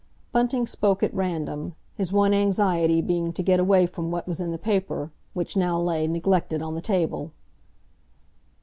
Bunting spoke at random, his one anxiety being to get away from what was in the paper, which now lay, neglected, on the table.